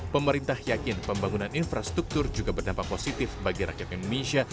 pemerintah yakin pembangunan infrastruktur juga berdampak positif bagi rakyat indonesia